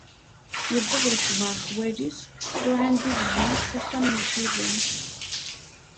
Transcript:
Yewweḍ lexbar xwal-is, luɛan-d i lejmaɛ s axxam n uciban.